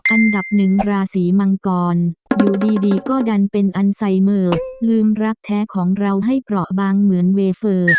อันดับหนึ่งราศีมังกรอยู่ดีก็ดันเป็นอันไซเมอร์ลืมรักแท้ของเราให้เปราะบางเหมือนเวเฟอร์